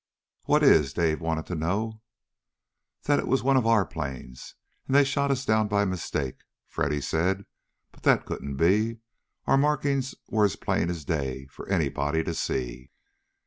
"What is?" Dave wanted to know. "That it was one of our planes, and they shot us down by mistake," Freddy said. "But that couldn't be. Our markings were as plain as day for anybody to see."